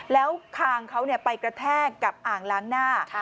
แล้วคางเขาไปกระแทกกับอ่างล้างหน้า